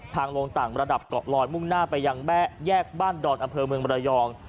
ทางลงต่างระดับเกาะลอยมุ่งหน้าไปยังแยกบ้านดอนอำเภอเมืองบรยอง